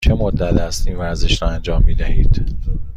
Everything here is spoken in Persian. چه مدت است این ورزش را انجام می دهید؟